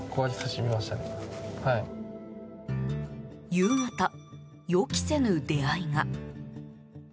夕方、予期せぬ出会いが。